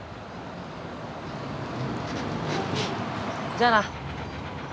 じゃあな。